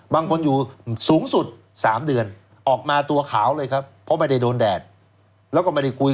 บางคนอยู่สูงสุด๓เดือนออกมาตัวขาวเลยครับเพราะไม่ได้โดนแดดแล้วก็ไม่ได้คุย